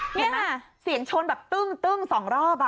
เนี่ยค่ะเสียงชนแบบตึ้งสองรอบ